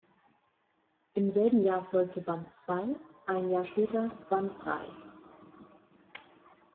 Im selben Jahr folgte Band zwei, ein Jahr später Band drei.